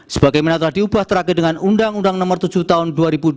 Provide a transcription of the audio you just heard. sebagaimana telah diubah terakhir dengan undang undang nomor tujuh tahun dua ribu dua